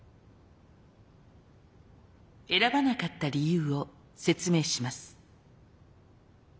選ばなかった理由を説明します。